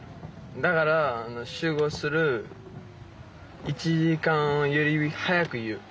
だから集合する１時間より早く言う。